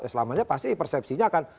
selamanya pasti persepsinya akan